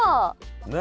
ねえ。